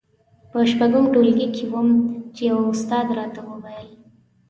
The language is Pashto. په شپږم ټولګي کې وم چې يوه استاد راته وويل.